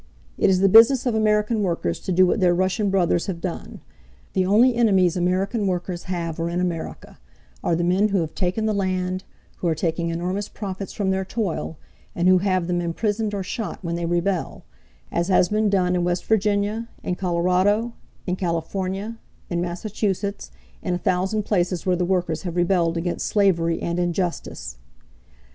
It is the business of American workers to do what their Russian brothers have done. The only enemies American workers have are in America, are the men who have taken the land, who are taking enormous profits from their toil, and who have them imprisoned or shot when they rebel as has been done in West Virginia, in Colorado, in California, in Massachusetts, in a thousand places where the workers have rebelled against slavery and injustice.